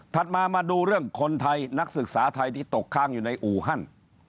มามาดูเรื่องคนไทยนักศึกษาไทยที่ตกค้างอยู่ในอูฮัน